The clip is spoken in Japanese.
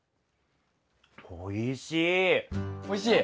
おいしい！